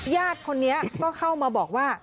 ญาติคนนี้ก็เข้ามาบอกว่า